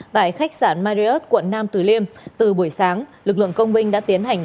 tại khách sạn mariot quận nam tử liêm từ buổi sáng lực lượng công binh đã tiến hành